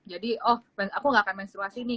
jadi oh aku gak akan menstruasi nih